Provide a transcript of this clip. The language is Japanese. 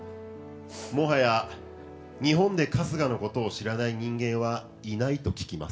もはや日本で春日のことを知らない人間はいないと聞きます。